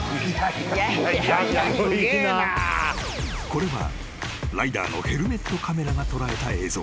［これはライダーのヘルメットカメラが捉えた映像］